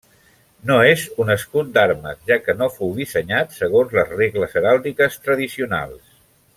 No és un escut d'armes, ja que no fou dissenyat segons les regles heràldiques tradicionals.